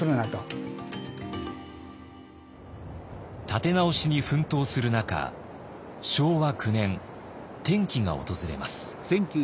立て直しに奮闘する中昭和９年転機が訪れます。